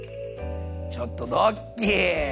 ちょっとドッキー！